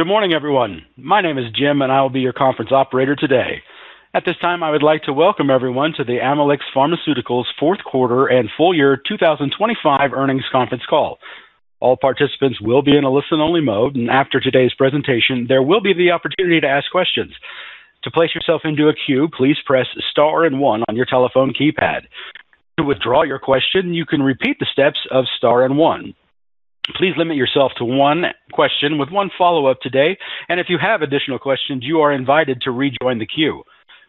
Good morning, everyone. My name is Jim, I will be your conference operator today. At this time, I would like to welcome everyone to the Amylyx Pharmaceuticals Q4 and full year 2025 earnings conference call. All participants will be in a listen-only mode, and after today's presentation, there will be the opportunity to ask questions. To place yourself into a queue, please press star and one on your telephone keypad. To withdraw your question, you can repeat the steps of star and one. Please limit yourself to one question with one follow-up today. If you have additional questions, you are invited to rejoin the queue.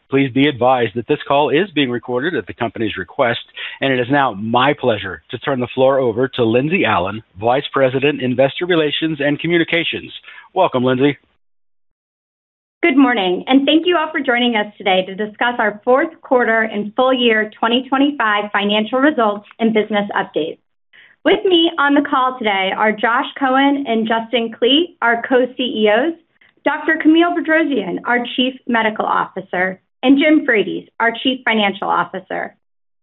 Please be advised that this call is being recorded at the company's request, and it is now my pleasure to turn the floor over to Lindsey Allen, Vice President, Investor Relations and Communications. Welcome, Lindsey. Good morning. Thank you all for joining us today to discuss our Q4 and full year 2025 financial results and business updates. With me on the call today are Josh Cohen and Justin Klee, our co-CEOs, Dr. Camille Bedrosian, our Chief Medical Officer, and Jim Frates, our Chief Financial Officer.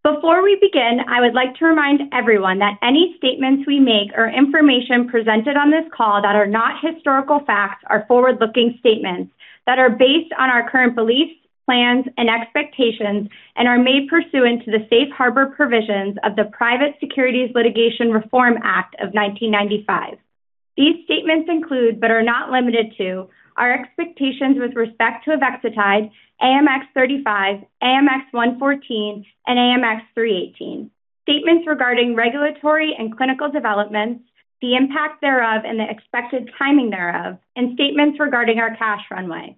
Before we begin, I would like to remind everyone that any statements we make or information presented on this call that are not historical facts are forward-looking statements that are based on our current beliefs, plans, and expectations and are made pursuant to the Safe Harbor provisions of the Private Securities Litigation Reform Act of 1995. These statements include, but are not limited to, our expectations with respect to Avexitide, AMX35, AMX114, and AMX318. Statements regarding regulatory and clinical developments, the impact thereof, and the expected timing thereof, and statements regarding our cash runway.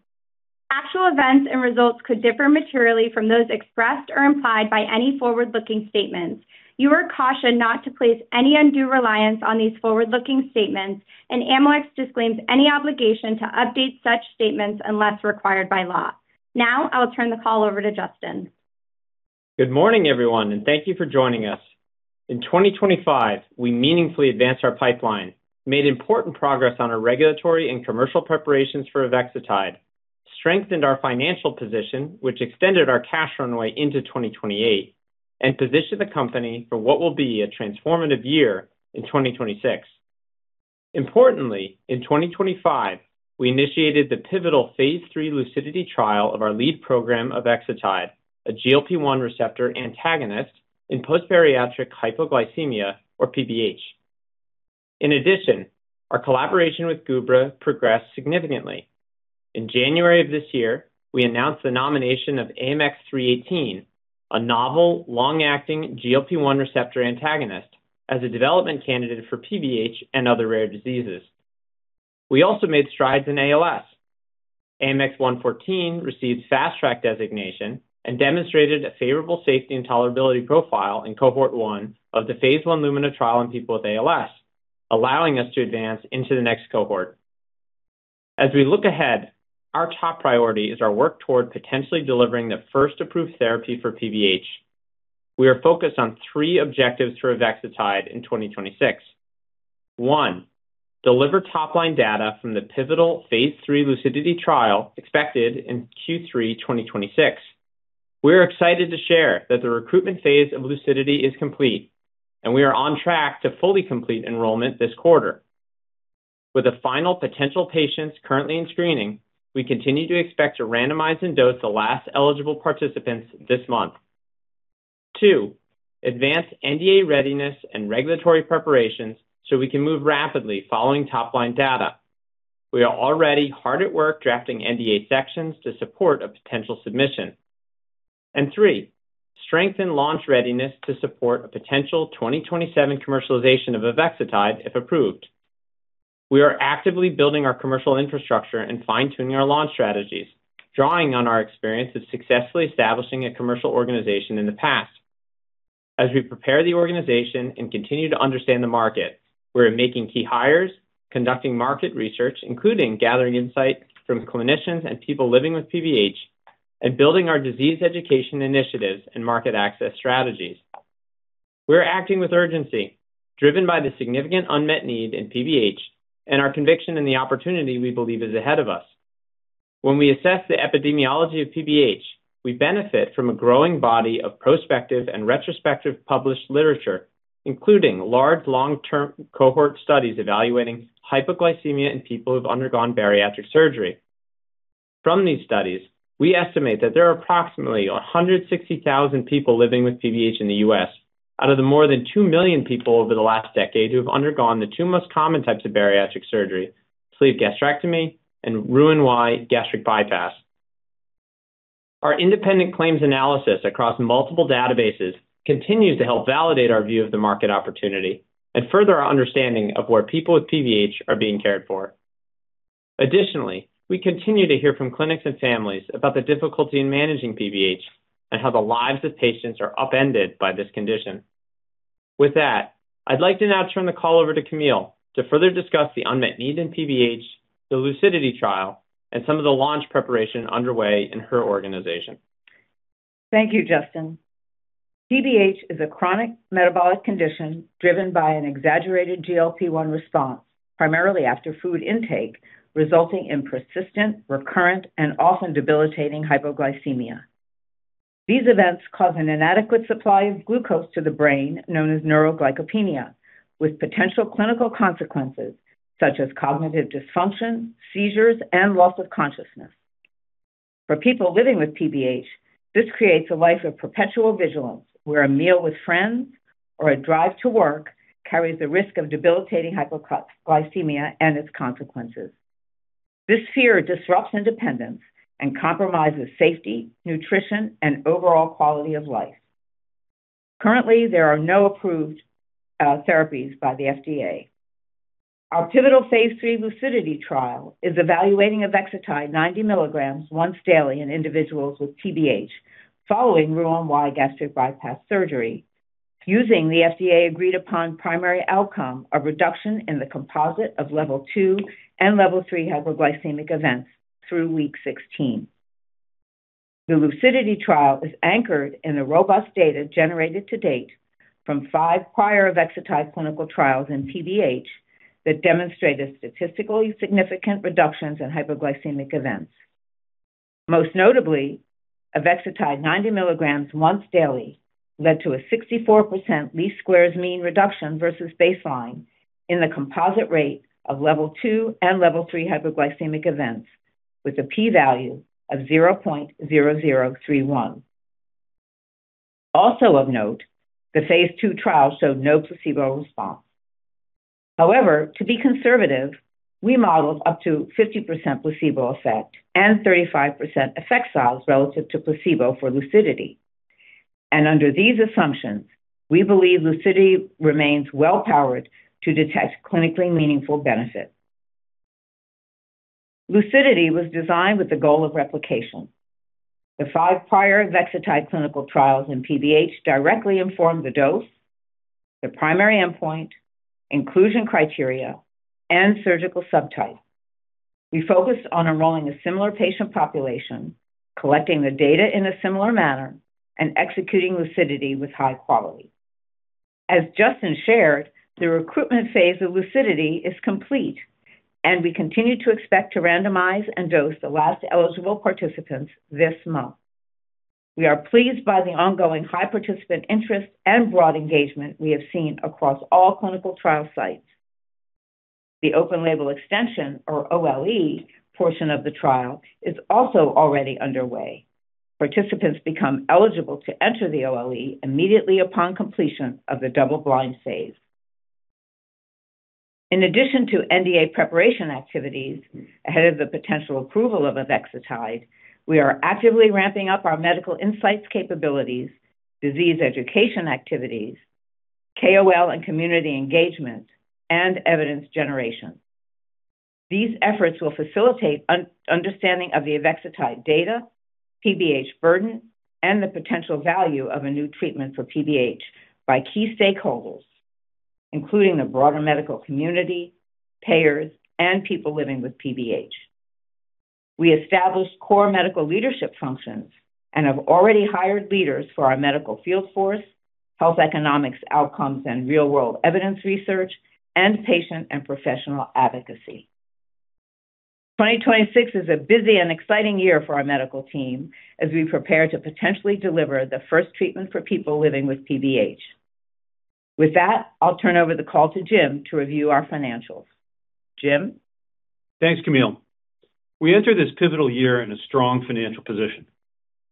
Actual events and results could differ materially from those expressed or implied by any forward-looking statements. You are cautioned not to place any undue reliance on these forward-looking statements, and Amylyx disclaims any obligation to update such statements unless required by law. Now, I will turn the call over to Justin. Good morning, everyone, and thank you for joining us. In 2025, we meaningfully advanced our pipeline, made important progress on our regulatory and commercial preparations for Avexitide, strengthened our financial position, which extended our cash runway into 2028, and positioned the company for what will be a transformative year in 2026. Importantly, in 2025, we initiated the pivotal Phase III LUCIDITY trial of our lead program of Avexitide, a GLP-1 receptor antagonist in post-bariatric hypoglycemia, or PBH. Our collaboration with Gubra progressed significantly. In January of this year, we announced the nomination of AMX0318, a novel long-acting GLP-1 receptor antagonist, as a development candidate for PBH and other rare diseases. We also made strides in ALS. AMX0114 received Fast Track designation and demonstrated a favorable safety and tolerability profile in cohort one of the Phase I LUMINA trial in people with ALS, allowing us to advance into the next cohort. As we look ahead, our top priority is our work toward potentially delivering the first approved therapy for PBH. We are focused on three objectives for Avexitide in 2026. one deliver top-line data from the pivotal Phase III LUCIDITY trial expected in Q3 2026. We are excited to share that the recruitment Phase of LUCIDITY is complete, and we are on track to fully complete enrollment this quarter. With the final potential patients currently in screening, we continue to expect to randomize and dose the last eligible participants this month. two, advance NDA readiness and regulatory preparations so we can move rapidly following top-line data. We are already hard at work drafting NDA sections to support a potential submission. Three, strengthen launch readiness to support a potential 2027 commercialization of Avexitide if approved. We are actively building our commercial infrastructure and fine-tuning our launch strategies, drawing on our experience of successfully establishing a commercial organization in the past. As we prepare the organization and continue to understand the market, we are making key hires, conducting market research, including gathering insight from clinicians and people living with PBH, and building our disease education initiatives and market access strategies. We're acting with urgency, driven by the significant unmet need in PBH and our conviction in the opportunity we believe is ahead of us. When we assess the epidemiology of PBH, we benefit from a growing body of prospective and retrospective published literature, including large long-term cohort studies evaluating hypoglycemia in people who've undergone bariatric surgery. From these studies, we estimate that there are approximately 160,000 people living with PBH in the U.S. out of the more than 2 million people over the last decade who have undergone the two most common types of bariatric surgery, sleeve gastrectomy and Roux-en-Y gastric bypass. Our independent claims analysis across multiple databases continues to help validate our view of the market opportunity and further our understanding of where people with PBH are being cared for. Additionally, we continue to hear from clinics and families about the difficulty in managing PBH and how the lives of patients are upended by this condition. With that, I'd like to now turn the call over to Camille to further discuss the unmet need in PBH, the LUCIDITY trial, and some of the launch preparation underway in her organization. Thank you, Justin. PBH is a chronic metabolic condition driven by an exaggerated GLP-1 response, primarily after food intake, resulting in persistent, recurrent, and often debilitating hypoglycemia. These events cause an inadequate supply of glucose to the brain, known as neuroglycopenia, with potential clinical consequences such as cognitive dysfunction, seizures, and loss of consciousness. For people living with PBH, this creates a life of perpetual vigilance, where a meal with friends or a drive to work carries the risk of debilitating hypoglycemia and its consequences. This fear disrupts independence and compromises safety, nutrition, and overall quality of life. Currently, there are no approved therapies by the FDA. Our pivotal Phase III LUCIDITY trial is evaluating Avexitide 90 milligrams once daily in individuals with PBH following Roux-en-Y gastric bypass surgery using the FDA agreed upon primary outcome of reduction in the composite of level 2 and level 3 hypoglycemic events through week 16. The LUCIDITY trial is anchored in the robust data generated to date from five prior Avexitide clinical trials in PBH that demonstrated statistically significant reductions in hypoglycemic events. Most notably, Avexitide 90 milligrams once daily led to a 64% least squares mean reduction versus baseline in the composite rate of level 2 and level 3 hypoglycemic events with a P value of 0.0031. Also of note, the Phase II trial showed no placebo response. To be conservative, we modeled up to 50% placebo effect and 35% effect size relative to placebo for LUCIDITY. Under these assumptions, we believe LUCIDITY remains well powered to detect clinically meaningful benefit. LUCIDITY was designed with the goal of replication. The five prior Avexitide clinical trials in PBH directly informed the dose, the primary endpoint, inclusion criteria, and surgical subtype. We focused on enrolling a similar patient population, collecting the data in a similar manner, and executing LUCIDITY with high quality. As Justin shared, the recruitment Phase of LUCIDITY is complete, and we continue to expect to randomize and dose the last eligible participants this month. We are pleased by the ongoing high participant interest and broad engagement we have seen across all clinical trial sites. The open label extension, or OLE, portion of the trial is also already underway. Participants become eligible to enter the OLE immediately upon completion of the double-blind Phase . In addition to NDA preparation activities ahead of the potential approval of Avexitide, we are actively ramping up our medical insights capabilities, disease education activities, KOL and community engagement, and evidence generation. These efforts will facilitate an understanding of the Avexitide data, PBH burden, and the potential value of a new treatment for PBH by key stakeholders, including the broader medical community, payers, and people living with PBH. We established core medical leadership functions and have already hired leaders for our medical field force, health economics outcomes and real-world evidence research, and patient and professional advocacy. 2026 is a busy and exciting year for our medical team as we prepare to potentially deliver the first treatment for people living with PBH. With that, I'll turn over the call to Jim to review our financials. James? Thanks, Camille. We entered this pivotal year in a strong financial position.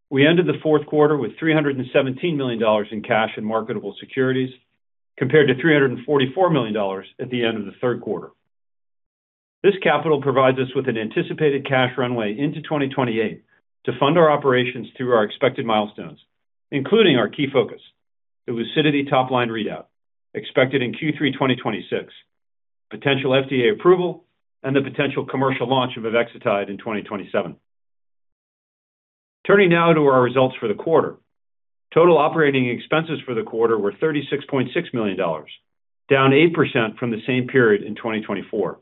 We ended the Q4 with $317 million in cash and marketable securities, compared to $344 million at the end of the third quarter. This capital provides us with an anticipated cash runway into 2028 to fund our operations through our expected milestones, including our key focus, the LUCIDITY top-line readout expected in Q3 2026, potential FDA approval, and the potential commercial launch of Avexitide in 2027. Turning now to our results for the quarter. Total operating expenses for the quarter were $36.6 million, down 8% from the same period in 2024.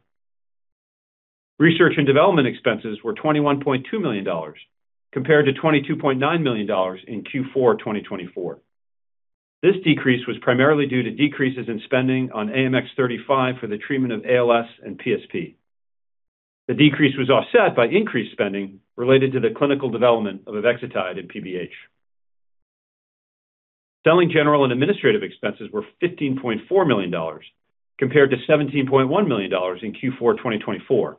Research and development expenses were $21.2 million compared to $22.9 million in Q4 2024. This decrease was primarily due to decreases in spending on AMX0035 for the treatment of ALS and PSP. The decrease was offset by increased spending related to the clinical development of Avexitide in PBH. Selling, general, and administrative expenses were $15.4 million compared to $17.1 million in Q4 2024.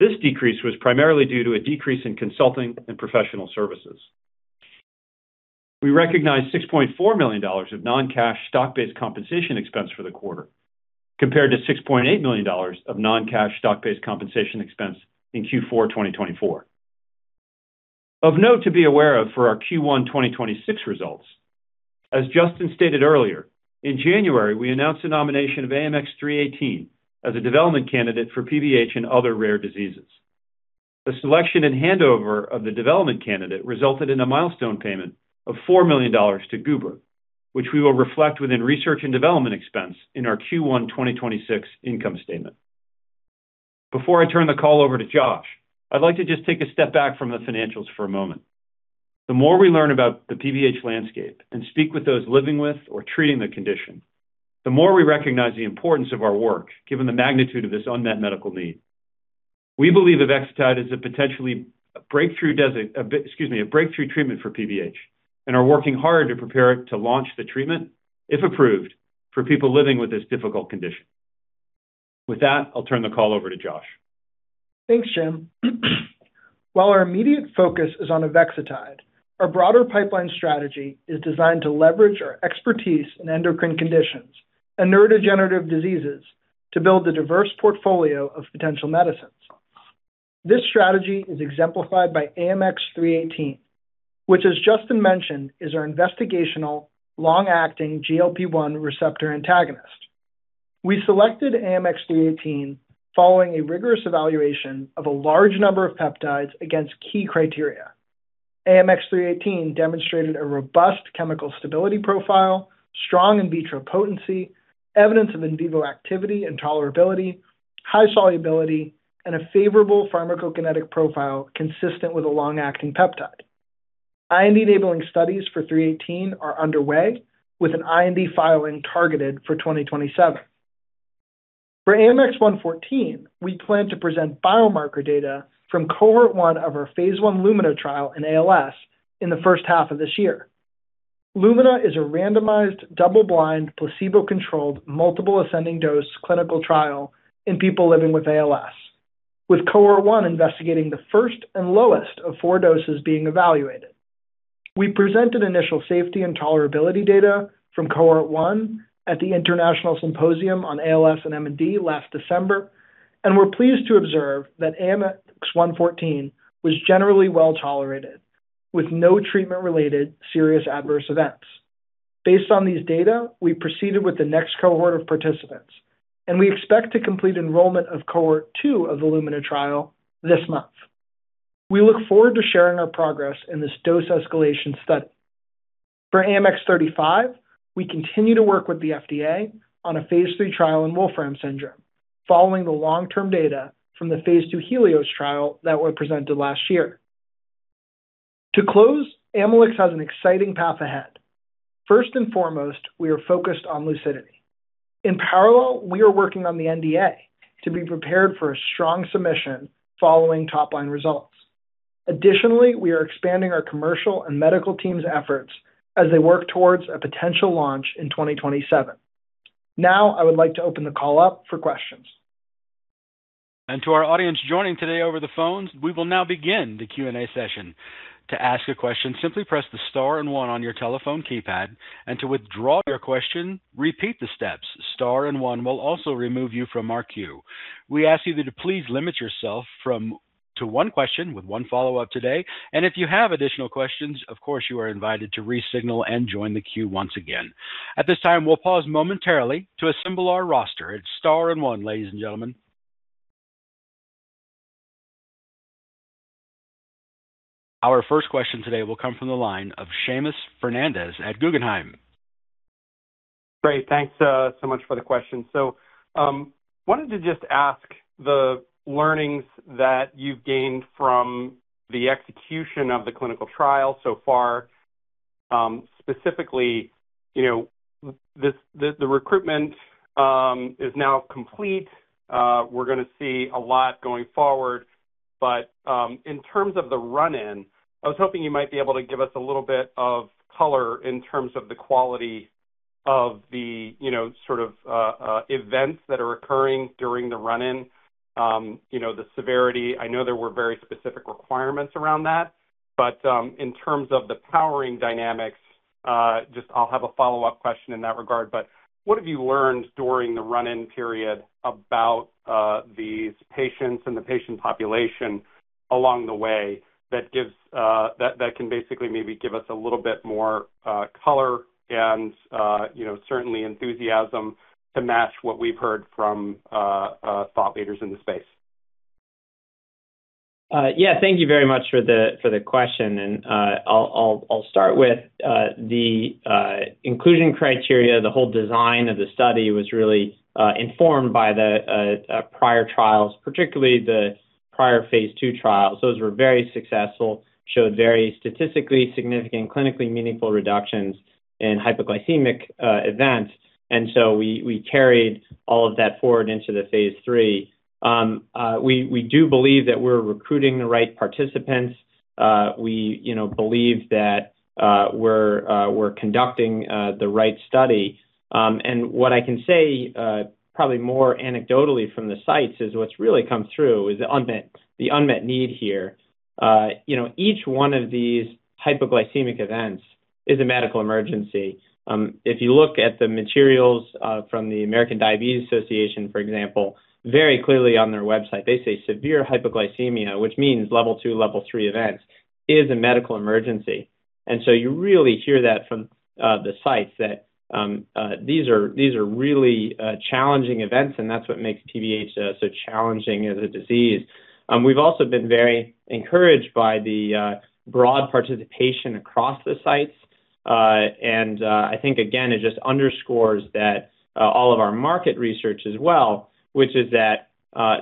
This decrease was primarily due to a decrease in consulting and professional services. We recognized $6.4 million of non-cash stock-based compensation expense for the quarter, compared to $6.8 million of non-cash stock-based compensation expense in Q4 2024. Of note to be aware of for our Q1 2026 results, as Justin stated earlier, in January, we announced the nomination of AMX0318 as a development candidate for PBH and other rare diseases. The selection and handover of the development candidate resulted in a milestone payment of $4 million to Gubra, which we will reflect within research and development expense in our Q1 2026 income statement. Before I turn the call over to Josh, I'd like to just take a step back from the financials for a moment. The more we learn about the PBH landscape and speak with those living with or treating the condition, the more we recognize the importance of our work, given the magnitude of this unmet medical need. We believe Avexitide is a potentially breakthrough, excuse me, a breakthrough treatment for PBH and are working hard to prepare it to launch the treatment, if approved, for people living with this difficult condition. With that, I'll turn the call over to Josh. Thanks, Jim. While our immediate focus is on Avexitide, our broader pipeline strategy is designed to leverage our expertise in endocrine conditions and neurodegenerative diseases to build a diverse portfolio of potential medicines. This strategy is exemplified by AMX0318, which, as Justin mentioned, is our investigational long-acting GLP-1 receptor antagonist. We selected AMX0318 following a rigorous evaluation of a large number of peptides against key criteria. AMX0318 demonstrated a robust chemical stability profile, strong in vitro potency, evidence of in vivo activity and tolerability, high solubility, and a favorable pharmacokinetic profile consistent with a long-acting peptide. IND-enabling studies for three eighteen are underway, with an IND filing targeted for 2027. For AMX0114, we plan to present biomarker data from cohort 1 of our Phase I LUMINA trial in ALS in the first half of this year. LUMINA is a randomized, double-blind, placebo-controlled, multiple ascending dose clinical trial in people living with ALS, with cohort 1 investigating the first and lowest of four doses being evaluated. We presented initial safety and tolerability data from cohort 1 at the International Symposium on ALS and MND last December. We're pleased to observe that AMX0114 was generally well-tolerated, with no treatment-related serious adverse events. Based on these data, we proceeded with the next cohort of participants. We expect to complete enrollment of cohort 2 of the LUMINA trial this month. We look forward to sharing our progress in this dose escalation study. For AMX0035, we continue to work with the FDA on a Phase III trial in Wolfram syndrome following the long-term data from the Phase II HELIOS trial that were presented last year. To close, Amylyx has an exciting path ahead. First and foremost, we are focused on LUCIDITY. In parallel, we are working on the NDA to be prepared for a strong submission following top-line results. Additionally, we are expanding our commercial and medical teams' efforts as they work towards a potential launch in 2027. Now I would like to open the call up for questions. To our audience joining today over the phones, we will now begin the Q&A session. To ask a question, simply press the star and one on your telephone keypad. To withdraw your question, repeat the steps. Star and one will also remove you from our queue. We ask you to please limit yourself to one question with one follow-up today. If you have additional questions, of course, you are invited to resignal and join the queue once again. At this time, we'll pause momentarily to assemble our roster. It's star and one, ladies and gentlemen. Our first question today will come from the line of Seamus Fernandez at Guggenheim. Great. Thanks so much for the question. Wanted to just ask the learnings that you've gained from the execution of the clinical trial so far. Specifically, this, the recruitment is now complete. We're gonna see a lot going forward. In terms of the run-in, I was hoping you might be able to give us a little bit of color in terms of the quality of the, you know, sort of, events that are occurring during the run-in the severity. I know there were very specific requirements around that. In terms of the powering dynamics, just I'll have a follow-up question in that regard. What have you learned during the run-in period about these patients and the patient population along the way that gives that can basically maybe give us a little bit more color and certainly enthusiasm to match what we've heard from thought leaders in the space? Thank you very much for the question. I'll start with the including criteria. The whole design of the study was really informed by the prior trials, particularly the prior Phase II trials. Those were very successful, showed very statistically significant, clinically meaningful reductions in hypoglycemic events. We carried all of that forward into the Phase III. We do believe that we're recruiting the right participants. We believe that we're conducting the right study. What I can say, probably more anecdotally from the sites is what's really come through is the unmet need here. Each one of these hypoglycemic events is a medical emergency. If you look at the materials from the American Diabetes Association, for example, very clearly on their website, they say severe hypoglycemia, which means level 2, level 3 events, is a medical emergency. You really hear that from the sites that these are really challenging events, and that's what makes PBH so challenging as a disease. We've also been very encouraged by the broad participation across the sites. Again, it just underscores all of our market research as well, which is that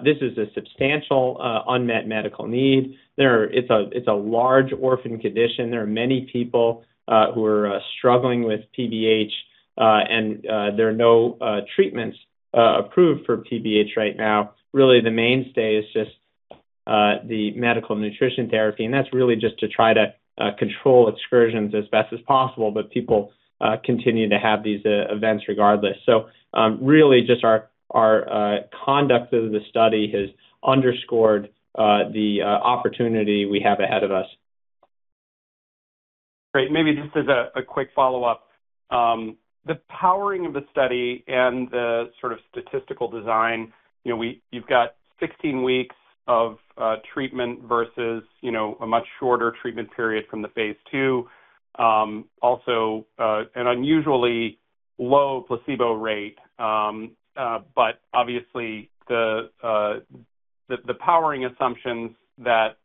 this is a substantial unmet medical need. It's a large orphan condition. There are many people who are struggling with PBH. There are no treatments approved for PBH right now. Really, the mainstay is just the medical nutrition therapy, and that's really just to try to control excursions as best as possible. People continue to have these events regardless. Really just our conduct of the study has underscored the opportunity we have ahead of us. Great. Maybe just as a quick follow-up. The powering of the study and the sort of statistical design, you've got 16 weeks of treatment versus, a much shorter treatment period from the Phase II. Also, an unusually low placebo rate, but obviously the powering assumptions that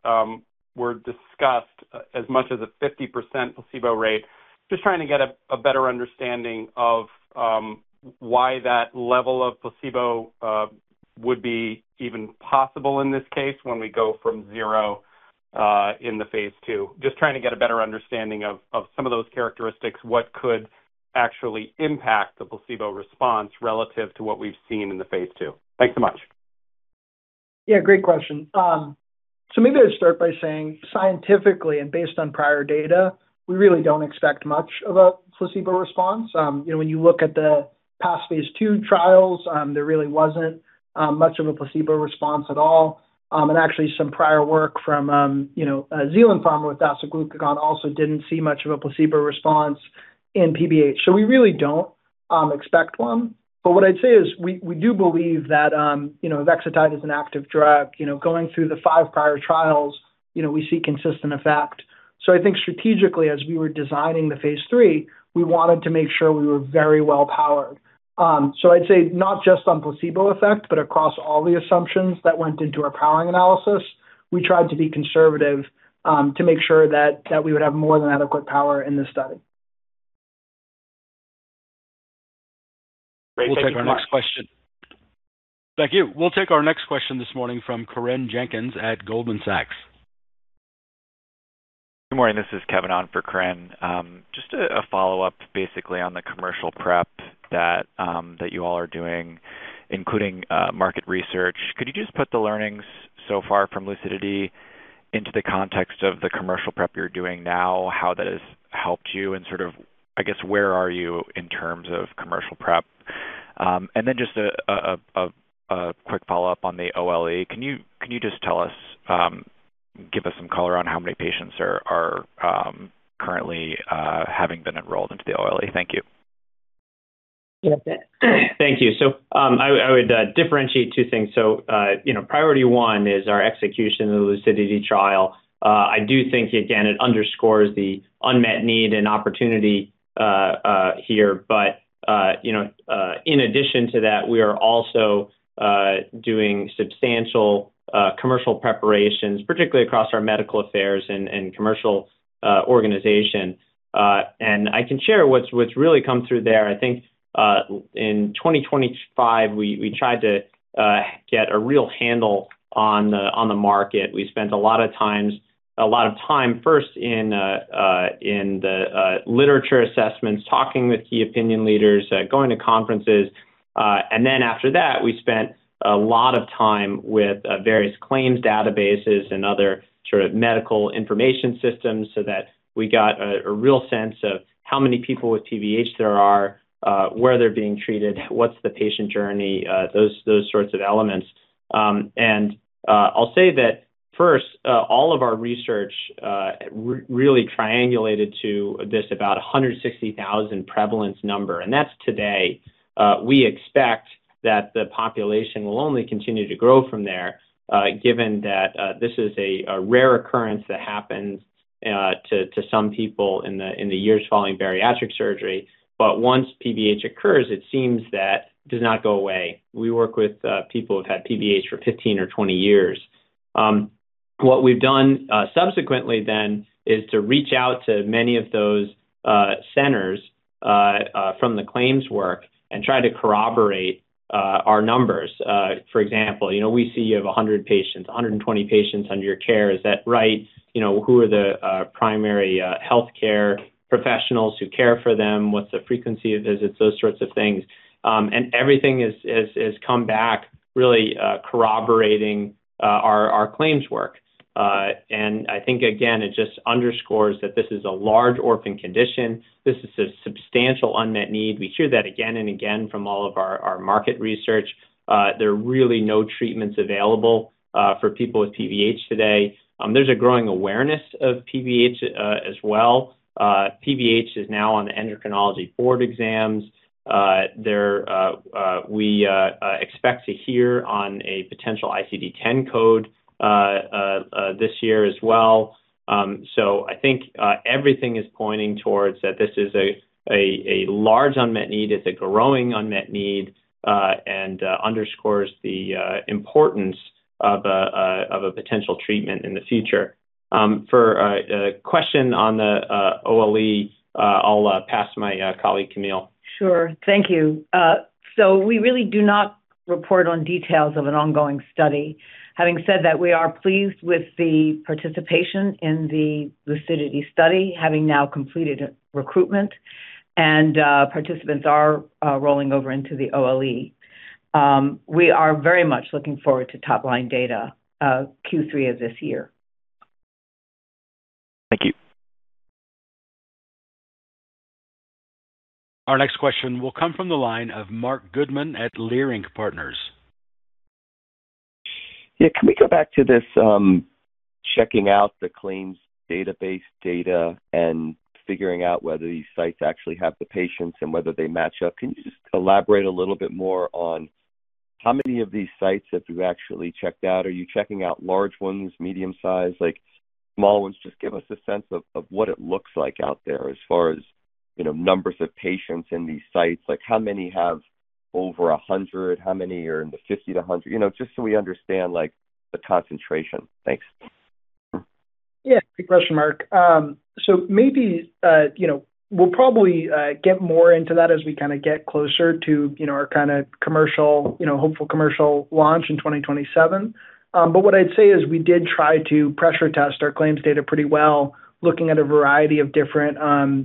were discussed as much as a 50% placebo rate. Just trying to get a better understanding of why that level of placebo would be even possible in this case when we go from zero in the Phase II. Just trying to get a better understanding of some of those characteristics. What could actually impact the placebo response relative to what we've seen in the Phase II? Thanks so much. Great question. Maybe I'd start by saying scientifically and based on prior data, we really don't expect much of a placebo response. You know, when you look at the past Phase II trials, there really wasn't much of a placebo response at all. Actually some prior work from, Zealand Pharma with glucagon also didn't see much of a placebo response in PBH. We really don't expect one. What I'd say is we do believe that Avexitide is an active drug. going through the five prior trials, you know, we see consistent effect. Istrategically, as we were designing the Phase III, we wanted to make sure we were very well powered. I'd say not just on placebo effect, but across all the assumptions that went into our powering analysis, we tried to be conservative, to make sure that we would have more than adequate power in this study. Great. Thank you so much. We'll take our next question. Thank you. We'll take our next question this morning from Corinne Jenkins at Goldman Sachs. Good morning. This is Kevin on for Corinne. Just a follow-up basically on the commercial prep that you all are doing, including market research. Could you just put the learnings so far from LUCIDITY into the context of the commercial prep you're doing now, how that has helped you and sort of, I guess, where are you in terms of commercial prep? Then just a quick follow-up on the OLE. Can you just tell us, give us some color on how many patients are currently having been enrolled into the OLE? Thank you. Thank you. I would differentiate two things. priority 1 is our execution of the LUCIDITY trial. I do think, again, it underscores the unmet need and opportunity here. In addition to that, we are also doing substantial commercial preparations, particularly across our medical affairs and commercial organization. I can share what's really come through there. In 2025, we tried to get a real handle on the market. We spent a lot of time first in the literature assessments, talking with key opinion leaders, going to conferences. Then after that, we spent a lot of time with various claims databases and other sort of medical information systems so that we got a real sense of how many people with PBH there are, where they're being treated, what's the patient journey, those sorts of elements. I'll say that first, all of our research really triangulated to this about a 160,000 prevalence number, and that's today. We expect that the population will only continue to grow from there, given that this is a rare occurrence that happens to some people in the years following bariatric surgery. Once PBH occurs, it seems that it does not go away. We work with people who've had PBH for 15 or 20 years. What we've done subsequently then is to reach out to many of those centers from the claims work and try to corroborate our numbers. For example, you know, we see you have 100 patients, 120 patients under your care. Is that right? You know, who are the primary healthcare professionals who care for them? What's the frequency of visits? Those sorts of things. And everything has come back really corroborating our claims work. Again, it just underscores that this is a large orphan condition. This is a substantial unmet need. We hear that again and again from all of our market research. There are really no treatments available for people with PBH today. There's a growing awareness of PBH as well. PBH is now on the endocrinology board exams. We expect to hear on a potential ICD-10 code this year as well. I think everything is pointing towards that this is a large unmet need. It's a growing unmet need, and underscores the importance of a potential treatment in the future. For a question on the OLE, I'll pass to my colleague, Camille. Sure. Thank you. We really do not report on details of an ongoing study. Having said that, we are pleased with the participation in the LUCIDITY study, having now completed recruitment. Participants are rolling over into the OLE. We are very much looking forward to top-line data, Q3 of this year. Thank you. Our next question will come from the line of Marc Goodman at Leerink Partners. Can we go back to this, checking out the claims database data and figuring out whether these sites actually have the patients and whether they match up? Can you just elaborate a little bit more on how many of these sites have you actually checked out? Are you checking out large ones, medium-sized, like, small ones? Just give us a sense of what it looks like out there as far as, you know, numbers of patients in these sites. Like, how many have over 100? How many are in the 50-100? just so we understand, the concentration. Thanks. Yeah. Good question, Marc. Maybe, we'll probably get more into that as we kinda get closer to, you know, our kind of commercial, hopeful commercial launch in 2027. What I'd say is we did try to pressure test our claims data pretty well, looking at a variety of different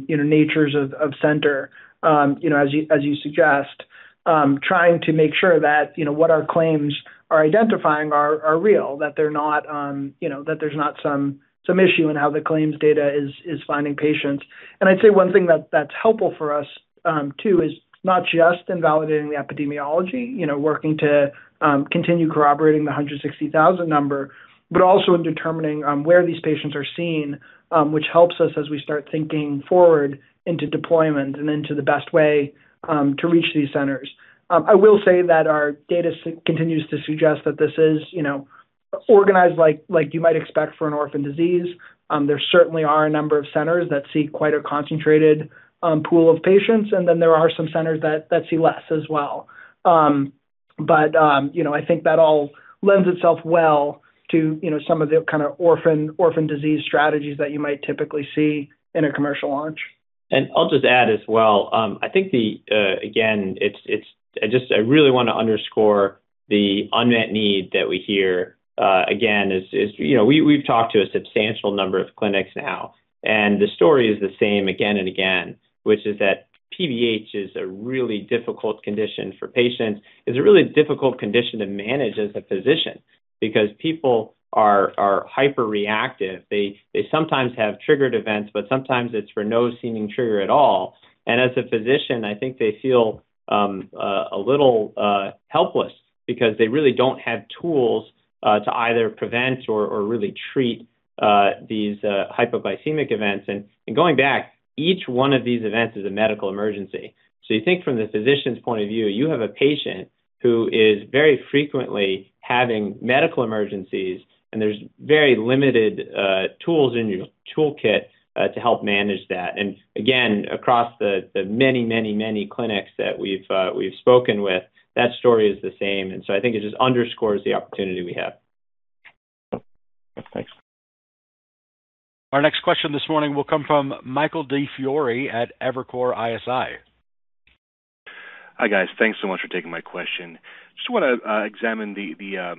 natures of center, as you suggest, trying to make sure that, what our claims are identifying are real, that they're not, that there's not some issue in how the claims data is finding patients. I'd say one thing that's helpful for us, too is not just in validating the epidemiology, you know, working to continue corroborating the 160,000 number, but also in determining where these patients are seen, which helps us as we start thinking forward into deployment and into the best way to reach these centers. I will say that our data continues to suggest that this is, organized like you might expect for an orphan disease. There certainly are a number of centers that see quite a concentrated pool of patients, and then there are some centers that see less as well. That all lends itself well to some of the kind of orphan disease strategies that you might typically see in a commercial launch. I'll just add as well. I think the again, I just, I really want to underscore the unmet need that we hear again. We've talked to a substantial number of clinics now, and the story is the same again and again, which is that PBH is a really difficult condition for patients. It's a really difficult condition to manage as a physician because people are hyperreactive. They sometimes have triggered events, but sometimes it's for no seeming trigger at all. As a physician, they feel a little helpless because they really don't have tools to either prevent or really treat these hypoglycemic events. Going back, each one of these events is a medical emergency. You think from the physician's point of view, you have a patient who is very frequently having medical emergencies, and there's very limited tools in your toolkit to help manage that. Again, across the many, many, many clinics that we've spoken with, that story is the same. it just underscores the opportunity we have. Thanks. Our next question this morning will come from Michael DiFiore at Evercore ISI. Hi, guys. Thanks so much for taking my question. Just want to examine the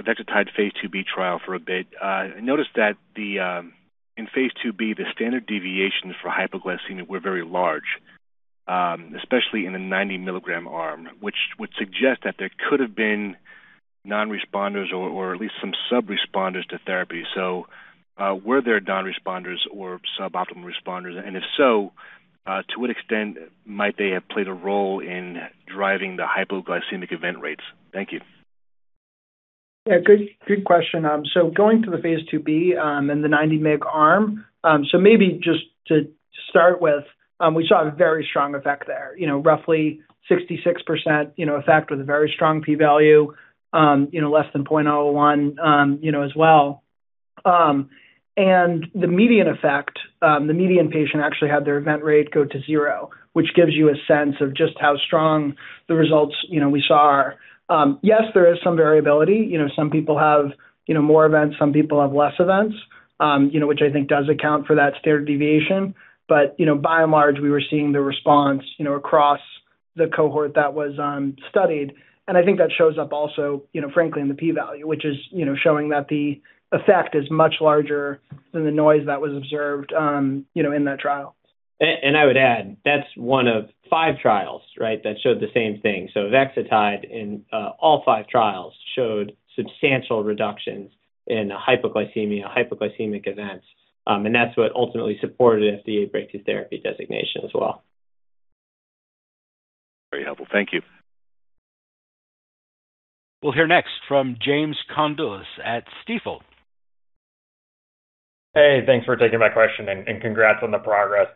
Avexitide Phase II b trial for a bit. I noticed that in Phase II b, the standard deviations for hypoglycemia were very large, especially in the 90-milligram arm, which would suggest that there could have been non-responders or at least some sub-responders to therapy. Were there non-responders or suboptimal responders? If so, to what extent might they have played a role in driving the hypoglycemic event rates? Thank you. Yeah. Good, good question. Going to the Phase II b, and the 90 mg arm. Maybe just to start with, we saw a very strong effect there. Roughly 66%, effect with a very strong P value, you know, less than 0.01, as well. The median effect, the median patient actually had their event rate go to 0, which gives you a sense of just how strong the results, we saw are. Yes, there is some variability. Some people have, more events, some people have less events, which does account for that standard deviation. By and large, we were seeing the response across the cohort that was studied. That shows up also, you know, frankly, in the P value, which is showing that the effect is much larger than the noise that was observed, in that trial. I would add, that's one of five trials, right, that showed the same thing. Avexitide in all five trials showed substantial reductions in hypoglycemia, hypoglycemic events. That's what ultimately supported FDA Breakthrough Therapy designation as well. Very helpful. Thank you. We'll hear next from James Kandlis at Stifel. Hey, thanks for taking my question, and congrats on the progress.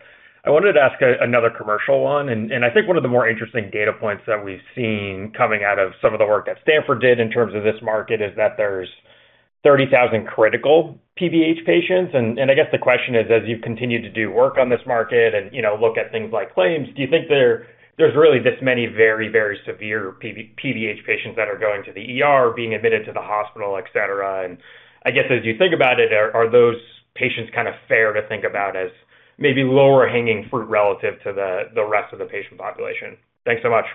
I wanted to ask another commercial one, and I think one of the more interesting data points that we've seen coming out of some of the work that Stanford did in terms of this market is that there's 30,000 critical PVH patients. I guess the question is, as you continue to do work on this market look at things like claims, do you think there's really this many very, severe PVH patients that are going to the ER, being admitted to the hospital, et cetera? I guess as you think about it, are those patients kind of fair to think about as maybe lower-hanging fruit relative to the rest of the patient population? Thanks so much.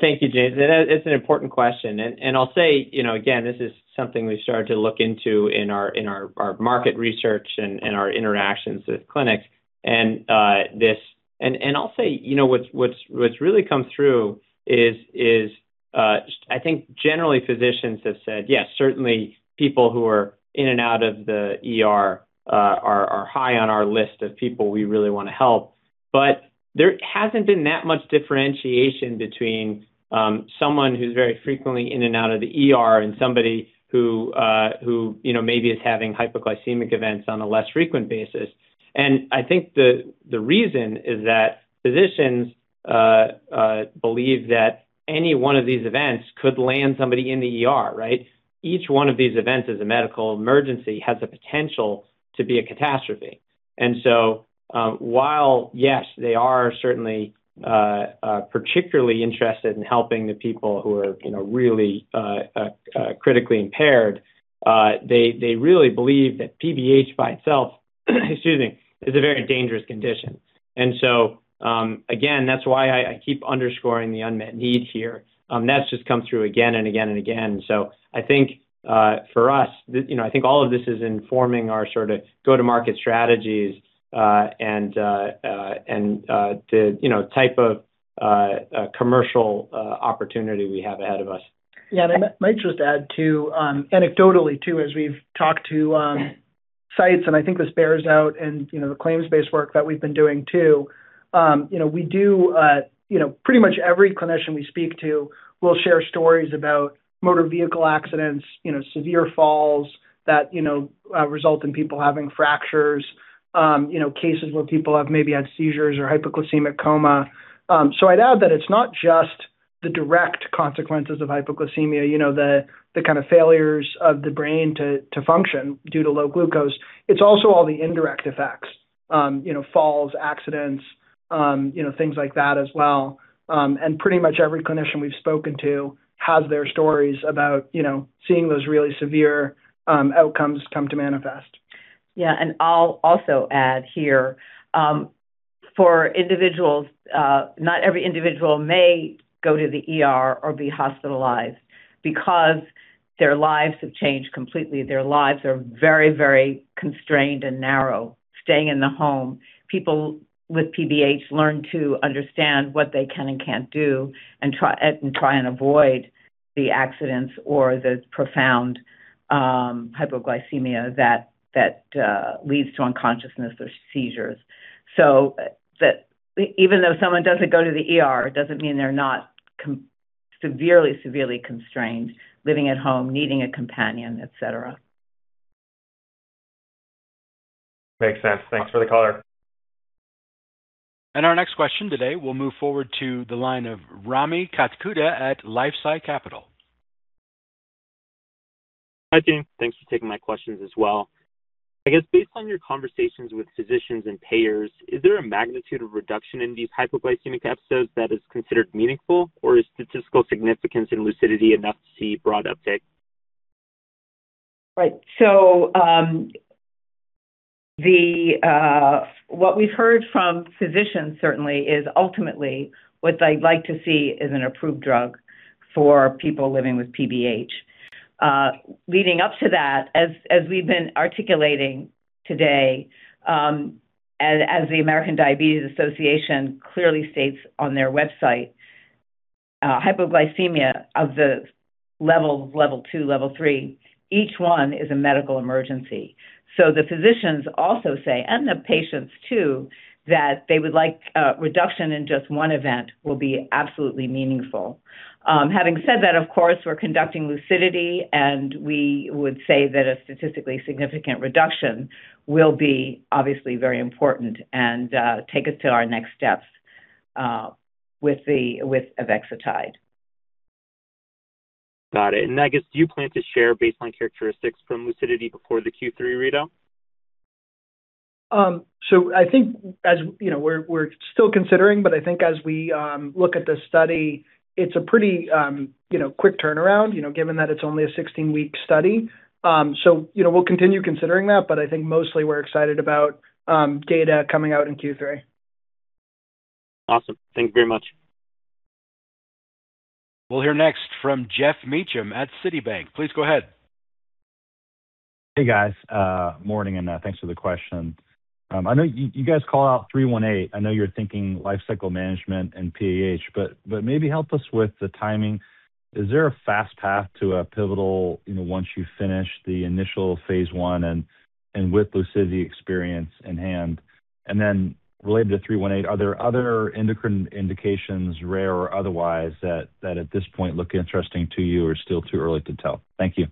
Thank you, James. That is an important question. I'll say again, this is something we started to look into in our market research and our interactions with clinics. I'll say, what's really come through is I think generally physicians have said, yes, certainly people who are in and out of the ER are high on our list of people we really want to help. There hasn't been that much differentiation between someone who's very frequently in and out of the ER and somebody who maybe is having hypoglycemic events on a less frequent basis. the reason is that physicians believe that any one of these events could land somebody in the ER, right? Each one of these events is a medical emergency, has the potential to be a catastrophe. While, yes, they are certainly particularly interested in helping the people who are really critically impaired, they really believe that PBH by itself, excuse me, is a very dangerous condition. Again, that's why I keep underscoring the unmet need here. That's just come through again and again and again. I think for us, all of this is informing our sort of go-to-market strategies, and the type of commercial opportunity we have ahead of us. I might just add, too, anecdotally too, as we've talked to sites, and I think this bears out in, the claims-based work that we've been doing too. We do, pretty much every clinician we speak to will share stories about motor vehicle accidents, severe falls that, you know, result in people having fractures. Cases where people have maybe had seizures or hypoglycemic coma. I'd add that it's not just the direct consequences of hypoglycemia, the kind of failures of the brain to function due to low glucose. It's also all the indirect effects. Falls, accidents, you know, things like that as well. Pretty much every clinician we've spoken to has their stories about seeing those really severe outcomes come to manifest. I'll also add here, for individuals, not every individual may go to the ER or be hospitalized because their lives have changed completely. Their lives are very, very constrained and narrow, staying in the home. People with PBH learn to understand what they can and can't do and try and avoid the accidents or the profound hypoglycemia that leads to unconsciousness or seizures. That even though someone doesn't go to the ER, doesn't mean they're not severely constrained, living at home, needing a companion, et cetera. Makes sense. Thanks for the color. Our next question today will move forward to the line of Rami Katkhuda at LifeSci Capital. Hi, team. Thanks for taking my questions as well. I guess based on your conversations with physicians and payers, is there a magnitude of reduction in these hypoglycemic episodes that is considered meaningful, or is statistical significance in LUCIDITY enough to see broad uptake? Right. What we've heard from physicians certainly is ultimately what they'd like to see is an approved drug for people living with PBH. Leading up to that, as we've been articulating today, as the American Diabetes Association clearly states on their website, hypoglycemia of the level two, level three, each one is a medical emergency. The physicians also say, and the patients too, that they would like a reduction in just one event will be absolutely meaningful. Having said that, of course, we're conducting LUCIDITY, and we would say that a statistically significant reduction will be obviously very important and take us to our next steps with Avexitide. Got it. I guess, do you plan to share baseline characteristics from LUCIDITY before the Q3 readout? I think as, we're still considering, but I think as we look at the study, it's a pretty, quick turnaround, given that it's only a 16-week study. You know, we'll continue considering that, mostly we're excited about data coming out in Q3. Awesome. Thank you very much. We'll hear next from Geoff Meacham at Citi. Please go ahead. Hey, guys. Morning, and thanks for the question. I know you guys call out 318. I know you're thinking lifecycle management and PBH, but maybe help us with the timing. Is there a fast path to a pivotal, you know, once you finish the initial Phase I and with LUCIDITY experience in hand? Related to 318, are there other endocrine indications, rare or otherwise, that at this point look interesting to you or still too early to tell? Thank you.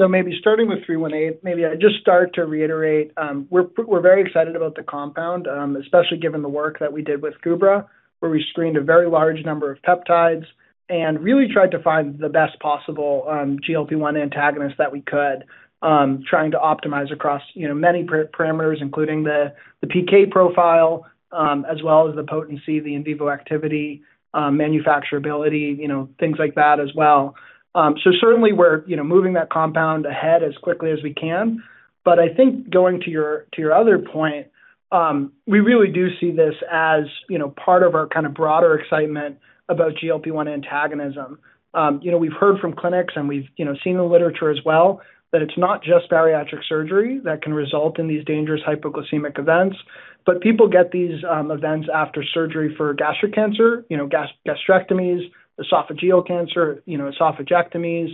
Maybe starting with 318, maybe I just start to reiterate, we're very excited about the compound, especially given the work that we did with Gubra, where we screened a very large number of peptides and really tried to find the best possible GLP-1 antagonist that we could, trying to optimize across, many parameters, including the PK profile, as well as the potency, the in vivo activity, manufacturability, you know, things like that as well. Certainly we're, moving that compound ahead as quickly as we can. I think going to your, to your other point We really do see this as, part of our kind of broader excitement about GLP-1 antagonism. You know, we've heard from clinics, and we've, seen the literature as well, that it's not just bariatric surgery that can result in these dangerous hypoglycemic events, but people get these events after surgery for gastric cancer, you know, gastrectomies, esophageal cancer, you know, esophagectomies.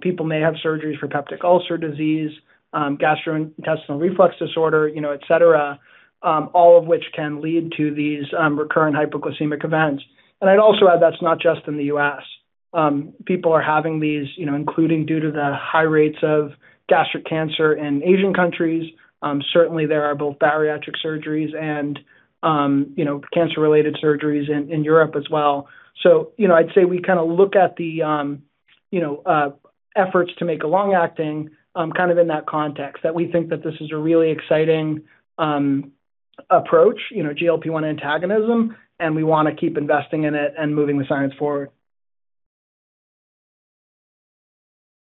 People may have surgeries for peptic ulcer disease, gastroesophageal reflux disease, you know, et cetera, all of which can lead to these recurrent hypoglycemic events. I'd also add, that's not just in the U.S. People are having these, including due to the high rates of gastric cancer in Asian countries. Certainly, there are both bariatric surgeries and, you know, cancer-related surgeries in Europe as well. I'd say we kind of look at the, efforts to make a long-acting, kind of in that context, that we think that this is a really exciting approach, you know, GLP-1 antagonism, and we want to keep investing in it and moving the science forward.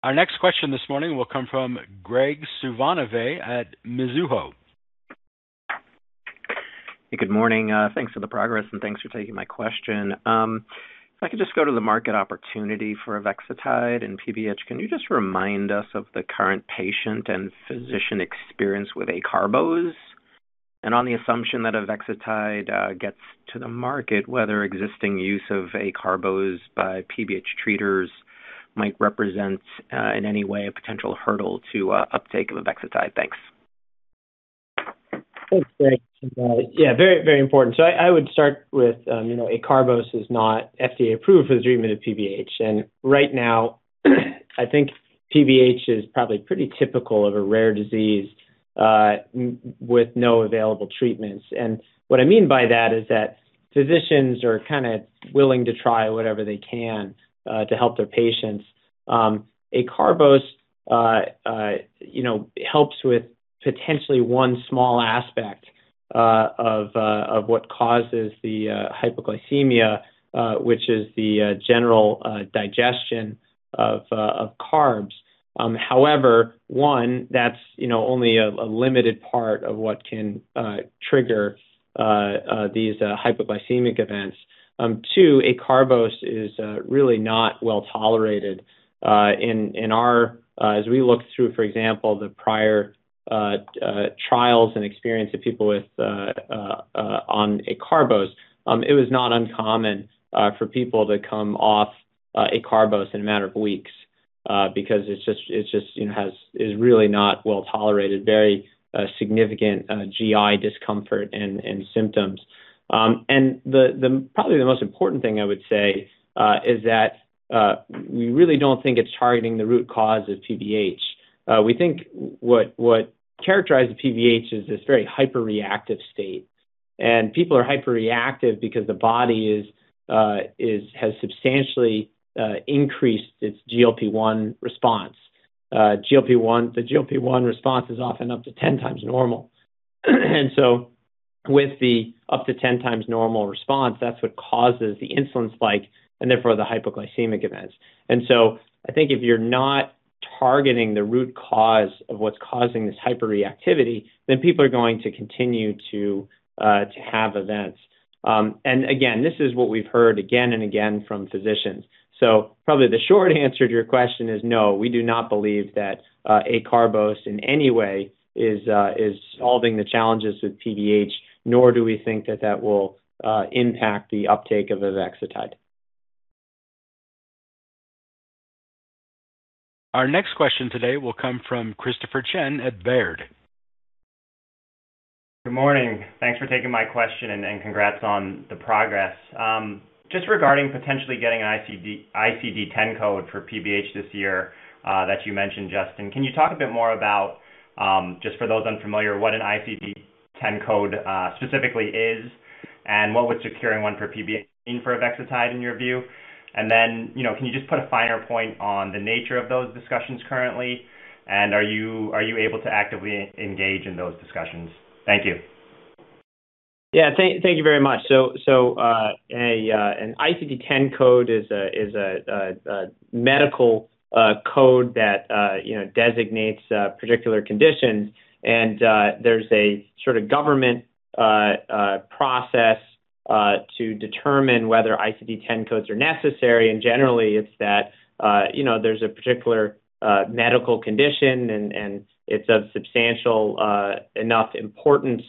Our next question this morning will come from Graig Suvannavejh at Mizuho. Hey, good morning. Thanks for the progress, and thanks for taking my question. If I could just go to the market opportunity for Avexitide and PBH, can you just remind us of the current patient and physician experience with Acarbose? On the assumption that Avexitide gets to the market, whether existing use of Acarbose by PBH treaters might represent, in any way a potential hurdle to uptake of Avexitide. Thanks. Thanks, Graig. very important. I would start with, you know, Acarbose is not FDA approved for the treatment of PBH. Right now, I think PBH is probably pretty typical of a rare disease, with no available treatments. What I mean by that is that physicians are kinda willing to try whatever they can, to help their patients. Acarbose, you know, helps with potentially one small aspect, of what causes the hypoglycemia, which is the general digestion of carbs. One, that's, only a limited part of what can trigger these hypoglycemic events. Two, Acarbose is really not well-tolerated. In our. As we looked through, for example, the prior trials and experience of people with on Acarbose, it was not uncommon for people to come off Acarbose in a matter of weeks because it's just, you know, is really not well-tolerated, very significant GI discomfort and symptoms. The probably the most important thing I would say is that we really don't think it's targeting the root cause of PBH. We think what characterizes PBH is this very hyperreactive state. People are hyperreactive because the body is has substantially increased its GLP-1 response. GLP-1, the GLP-1 response is often up to 10 times normal. With the up to 10 times normal response, that's what causes the insulin spike and therefore the hypoglycemic events. if you're not targeting the root cause of what's causing this hyperreactivity, then people are going to continue to have events. Again, this is what we've heard again and again from physicians. Probably the short answer to your question is no, we do not believe that Acarbose in any way is solving the challenges with PBH, nor do we think that that will impact the uptake of Avexitide. Our next question today will come from Christopher Chen at Baird. Good morning. Thanks for taking my question, and congrats on the progress. Just regarding potentially getting ICD-10 code for PBH this year, that you mentioned, Justin, can you talk a bit more about, just for those unfamiliar, what an ICD-10 code specifically is, and what would securing one for PBH mean for Avexitide in your view? Then, you know, can you just put a finer point on the nature of those discussions currently, and are you able to actively engage in those discussions? Thank you. Thank you very much. An ICD-10 code is a medical code that, you know, designates particular conditions. There's a sort of government process to determine whether ICD-10 codes are necessary. Generally, it's that, you know, there's a particular medical condition and it's of substantial enough importance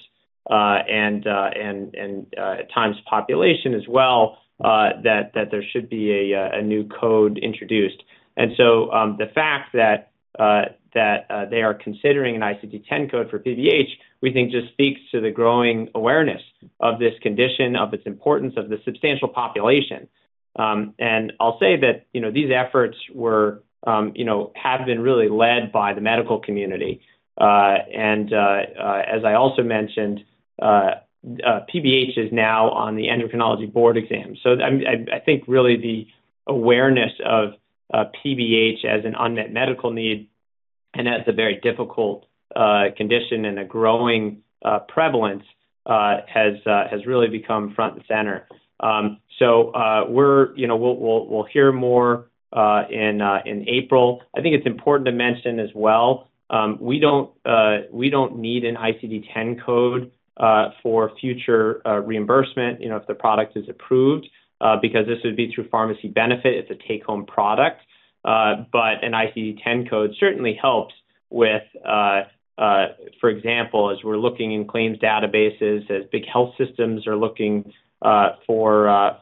and, at times population as well, that there should be a new code introduced. The fact that they are considering an ICD-10 code for PBH, we think just speaks to the growing awareness of this condition, of its importance, of the substantial population. I'll say that, you know, these efforts were, you know, have been really led by the medical community. As I also mentioned, PBH is now on the endocrinology board exam. I think really the awareness of PBH as an unmet medical need and that's a very difficult condition, and a growing prevalence, has really become front and center. We're, you know, we'll hear more in April. I think it's important to mention as well, we don't, we don't need an ICD-10 code for future reimbursement, you know, if the product is approved, because this would be through pharmacy benefit. It's a take-home product. An ICD-10 code certainly helps with, for example, as we're looking in claims databases, as big health systems are looking for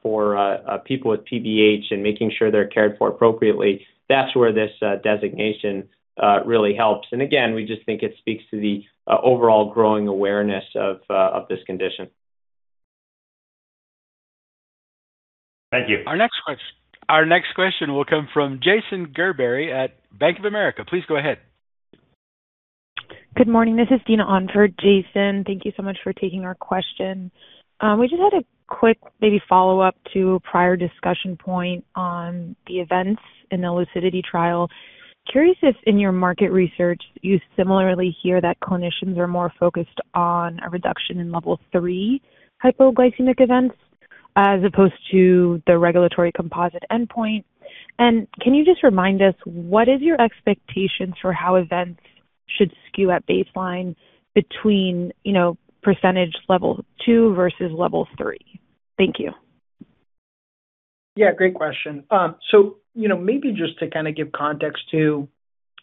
people with PBH and making sure they're cared for appropriately. That's where this designation really helps. Again, we just think it speaks to the overall growing awareness of this condition. Thank you. Our next question will come from Jason Gerberry at Bank of America. Please go ahead. Good morning. This is Dina on for Jason. Thank you so much for taking our question. We just had a quick maybe follow-up to a prior discussion point on the events in the LUCIDITY trial. Curious if in your market research, you similarly hear that clinicians are more focused on a reduction in level three hypoglycemic events as opposed to the regulatory composite endpoint. Can you just remind us what is your expectations for how events should skew at baseline between, you know, % level two versus level three? Thank you. Great question. You know, maybe just to kind of give context to,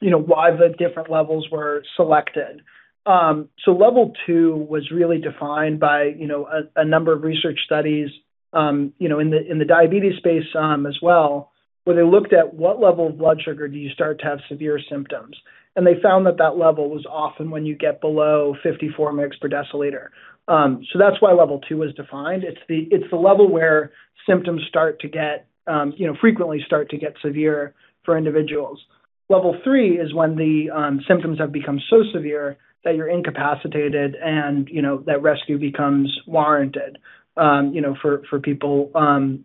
why the different levels were selected. Level two was really defined by a number of research studies, you know, in the diabetes space, as well, where they looked at what level of blood sugar do you start to have severe symptoms. They found that that level was often when you get below 54 mEq/dL. That's why level two is defined. It's the level where symptoms start to get frequently start to get severe for individuals. Level three is when the symptoms have become so severe that you're incapacitated and, you know, that rescue becomes warranted for people,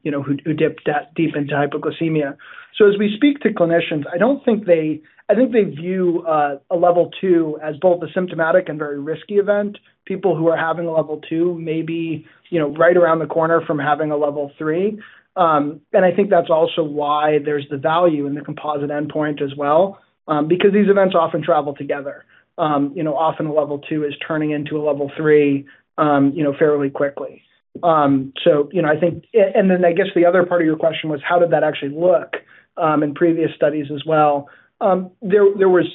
you know, who dip that deep into hypoglycemia. As we speak to clinicians, I think they view a level two as both a symptomatic and very risky event. People who are having a level two may be, you know, right around the corner from having a level three. I think that's also why there's the value in the composite endpoint as well, because these events often travel together. You know, often a level two is turning into a level three, you know, fairly quickly. You know, I think and then I guess the other part of your question was how did that actually look in previous studies as well? There was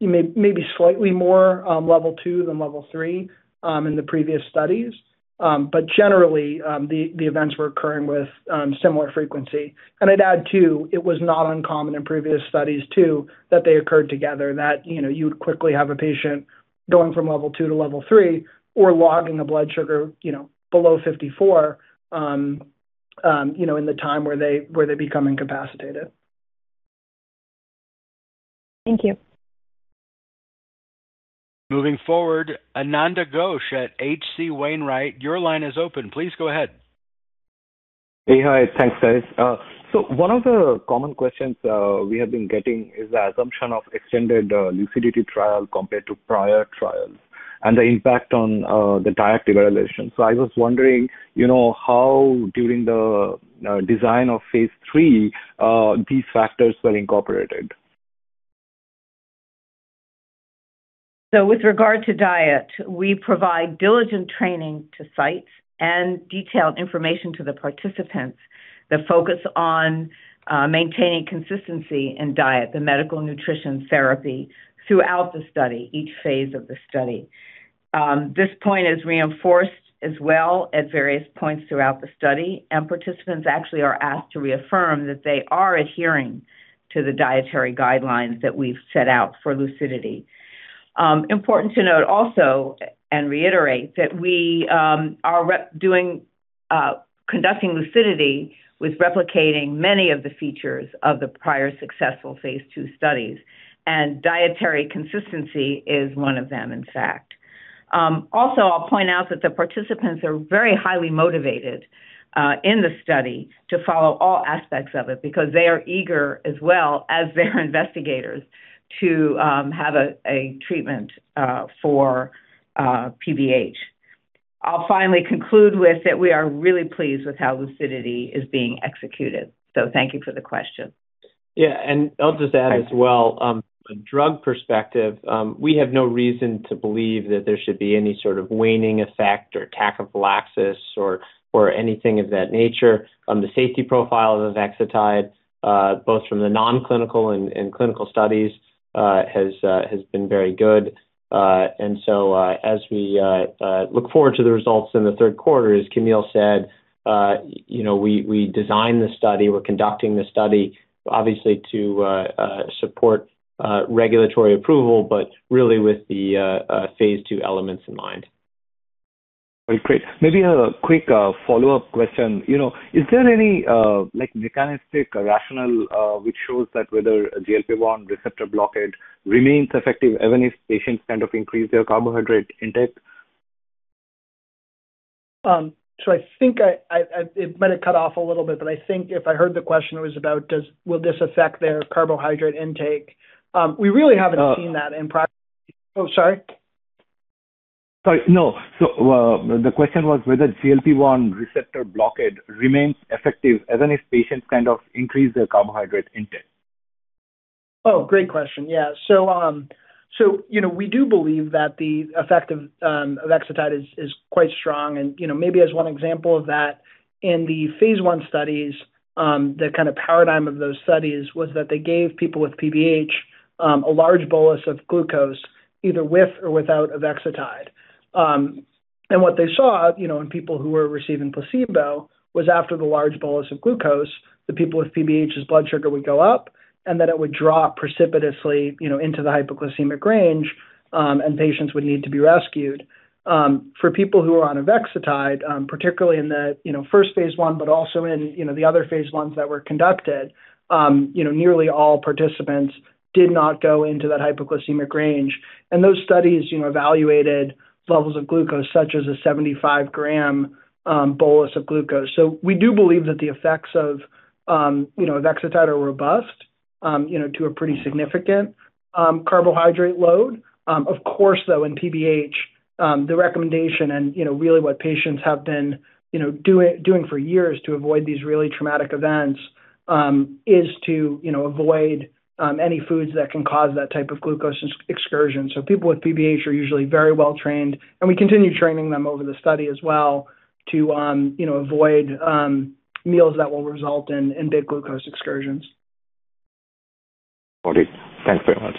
maybe slightly more level two than level three in the previous studies. Generally, the events were occurring with similar frequency. I'd add, too, it was not uncommon in previous studies, too, that they occurred together, that, you know, you would quickly have a patient going from level 2 to level 3 or logging a blood sugar, you know, below 54, you know, in the time where they, where they become incapacitated. Thank you. Moving forward, Ananda Ghosh at H.C. Wainwright, your line is open. Please go ahead. Hey. Hi. Thanks, everyone. One of the common questions, we have been getting is the assumption of extended LUCIDITY trial compared to prior trials and the impact on the diet evaluation. I was wondering, you know, how during the design of Phase III, these factors were incorporated? With regard to diet, we provide diligent training to sites and detailed information to the participants that focus on maintaining consistency in diet, the medical nutrition therapy throughout the study, each Phase of the study. This point is reinforced as well at various points throughout the study, and participants actually are asked to reaffirm that they are adhering to the dietary guidelines that we've set out for LUCIDITY. Important to note also and reiterate that we are conducting LUCIDITY with replicating many of the features of the prior successful Phase two studies, and dietary consistency is one of them, in fact. Also I'll point out that the participants are very highly motivated in the study to follow all aspects of it because they are eager as well as their investigators to have a treatment for PBH. I'll finally conclude with that we are really pleased with how LUCIDITY is being executed. Thank you for the question. I'll just add as well, from a drug perspective, we have no reason to believe that there should be any sort of waning effect or tachyphylaxis or anything of that nature. The safety profile of Avexitide, both from the non-clinical and clinical studies, has been very good. As we look forward to the results in the third quarter, as Camille said, you know, we designed the study, we're conducting the study obviously to support regulatory approval, but really with the Phase two elements in mind. Great. Maybe a quick, follow-up question. You know, is there any, like, mechanistic rationale, which shows that whether a GLP-1 receptor blockade remains effective even if patients kind of increase their carbohydrate intake? It might have cut off a little bit, but I think if I heard the question was about will this affect their carbohydrate intake? We really haven't seen that. Oh, sorry. Sorry. No. The question was whether GLP-1 receptor blockade remains effective even if patients kind of increase their carbohydrate intake. Great question. Yeah. You know, we do believe that the effect of Avexitide is quite strong. You know, maybe as one example of that, in the Phase I studies, the kind of paradigm of those studies was that they gave people with PBH a large bolus of glucose either with or without Avexitide. What they saw, you know, in people who were receiving placebo was after the large bolus of glucose, the people with PBH's blood sugar would go up and that it would drop precipitously, you know, into the hypoglycemic range, and patients would need to be rescued. For people who are on Avexitide, particularly in the, you know, first Phase I, but also in, you know, the other Phase Is that were conducted, you know, nearly all participants did not go into that hypoglycemic range. Those studies, you know, evaluated levels of glucose, such as a 75 gram bolus of glucose. We do believe that the effects of, you know, Avexitide are robust, you know, to a pretty significant carbohydrate load. Of course, though, in PBH, the recommendation and, you know, really what patients have been, you know, doing for years to avoid these really traumatic events, is to, you know, avoid any foods that can cause that type of glucose excursion. People with PBH are usually very well trained, and we continue training them over the study as well to, you know, avoid meals that will result in big glucose excursions. Got it. Thanks very much.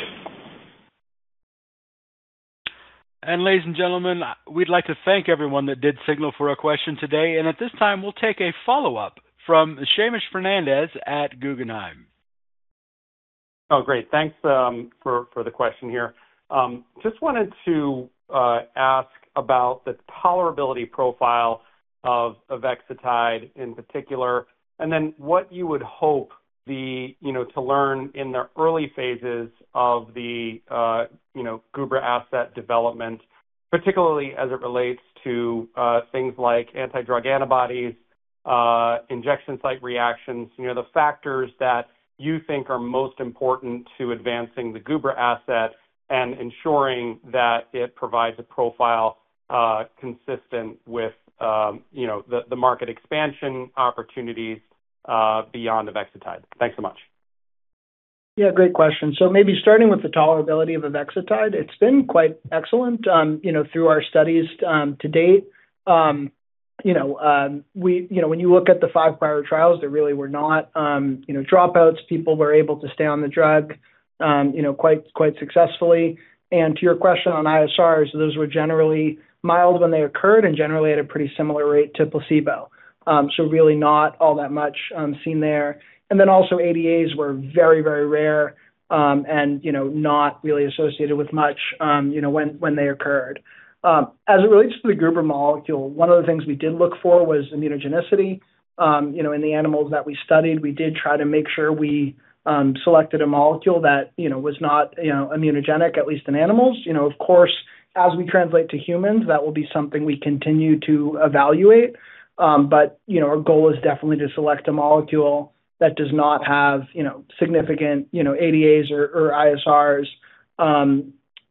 Ladies and gentlemen, we'd like to thank everyone that did signal for a question today. At this time, we'll take a follow-up from Seamus Fernandez at Guggenheim. Oh, great. Thanks for the question here. Just wanted to ask about the tolerability profile of Avexitide in particular, and then what you would hope, to learn in the early Phase s of, GUBRA asset development, particularly as it relates to things like anti-drug antibodies, injection site reactions. The factors that you think are most important to advancing the GUBRA asset and ensuring that it provides a profile consistent with, you know, the market expansion opportunities beyond Avexitide. Thanks so much. Yeah, great question. Maybe starting with the tolerability of Avexitide, it's been quite excellent, you know, through our studies, to date. You know, we, you know, when you look at the five prior trials, there really were not, you know, dropouts. People were able to stay on the drug, you know, quite successfully. To your question on ISRs, those were generally mild when they occurred and generally at a pretty similar rate to placebo. Really not all that much, seen there. Then also ADAs were very rare, and, you know, not really associated with much, you know, when they occurred. As it relates to the GUBRA molecule, one of the things we did look for was immunogenicity. You know, in the animals that we studied, we did try to make sure we selected a molecule that, you know, was not, you know, immunogenic, at least in animals. You know, of course, as we translate to humans, that will be something we continue to evaluate. You know, our goal is definitely to select a molecule that does not have, you know, significant, you know, ADAs or ISRs.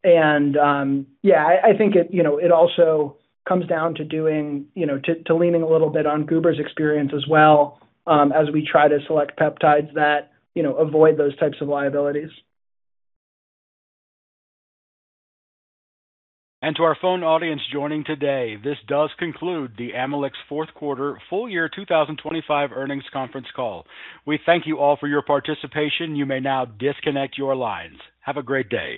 Yeah, I think it, you know, it also comes down to doing, you know, to leaning a little bit on GUBRA's experience as well, as we try to select peptides that, you know, avoid those types of liabilities. To our phone audience joining today, this does conclude the Amylyx Q4 full year 2025 earnings conference call. We thank you all for your participation. You may now disconnect your lines. Have a great day.